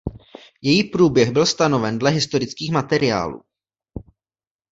Její průběh byl stanoven podle historických materiálů.